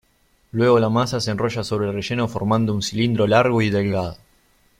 Luego la masa se enrolla sobre el relleno formando un cilindro largo y delgado.